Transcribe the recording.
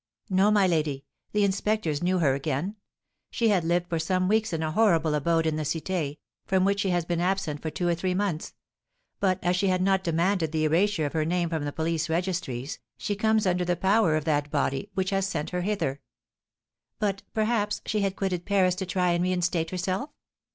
"No, my lady; the inspectors knew her again. She had lived for some weeks in a horrible abode in the Cité, from which she has been absent for two or three months; but, as she had not demanded the erasure of her name from the police registries, she comes under the power of that body, which has sent her hither." "But, perhaps, she had quitted Paris to try and reinstate herself?"